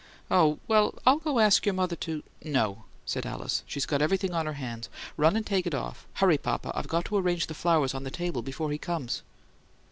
"Oh, well, I'll go ask your mother to " "No," said Alice. "She's got everything on her hands. Run and take it off. Hurry, papa; I've got to arrange the flowers on the table before he comes."